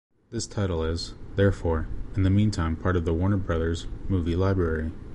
This title is, therefore, in the mean time part of the Warner Bros’ movie library.